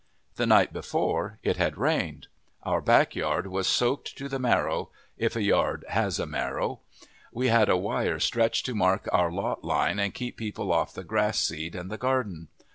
The night before it had rained. Our back yard was soaked to the marrow, if a yard has a marrow. We had a wire stretched to mark our lot line and keep people off the grass seed and the garden.